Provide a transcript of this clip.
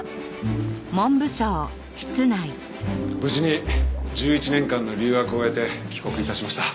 無事に１１年間の留学を終えて帰国致しました。